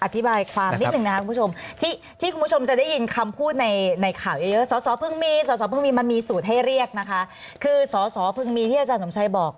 อธิบายความนิดนึงนะครับคุณผู้ชมที่คุณผู้ชมจะได้ยินคำพูดในข่าวเยอะ